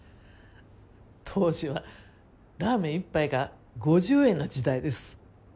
当時はラーメン１杯が５０円の時代です。